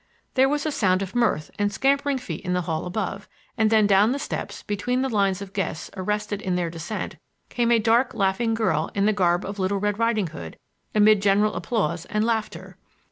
There was a sound of mirth and scampering feet in the hall above and then down the steps, between the lines of guests arrested in their descent, came a dark laughing girl in the garb of Little Red Riding Hood, amid general applause and laughter.